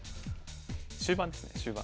終盤ですね終盤。